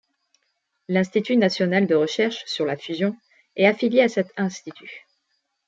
L'Institut national de recherche sur la fusion est affilié à cet institut.